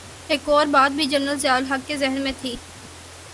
ایک اور بات بھی جنرل ضیاء الحق کے ذہن میں تھی۔